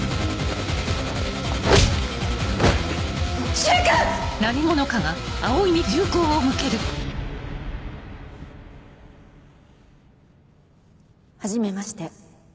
柊君！はじめまして。